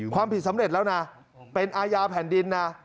ความผิดสำเร็จแล้วนะเป็นอาญาแผ่นดินนะ